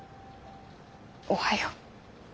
おはよう。